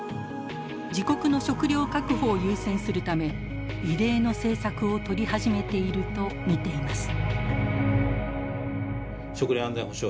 自国の食料確保を優先するため異例の政策をとり始めていると見ています。